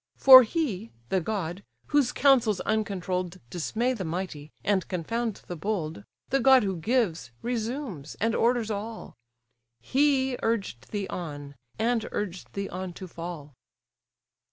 For he, the god, whose counsels uncontroll'd Dismay the mighty, and confound the bold; The god who gives, resumes, and orders all, He urged thee on, and urged thee on to fall.